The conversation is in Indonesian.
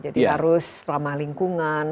jadi harus selama lingkungan